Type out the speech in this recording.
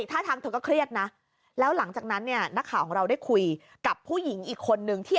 ท่าทางเธอก็เครียดนะแล้วหลังจากนั้นเนี่ยนักข่าวของเราได้คุยกับผู้หญิงอีกคนนึงที่